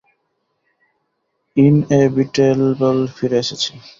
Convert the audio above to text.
Inevitable ফিরে এসেছে!